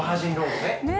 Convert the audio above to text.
ねえ。